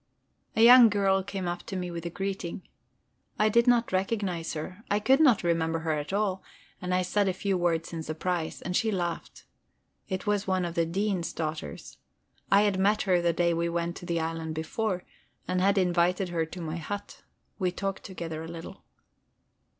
A young girl came up to me with a greeting. I did not recognize her; I could not remember her at all, and I said a few words in surprise, and she laughed. It was one of the Dean's daughters. I had met her the day we went to the island before, and had invited her to my hut. We talked together a little.